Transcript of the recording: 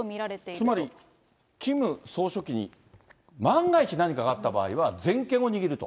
つまりキム総書記に万が一何かがあった場合には、全権を握ると。